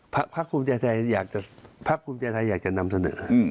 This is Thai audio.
พักครองไทยให้อยากจะนำเสนอ